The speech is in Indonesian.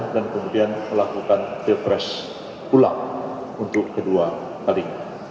dan kemudian melakukan pilpres ulang untuk kedua kali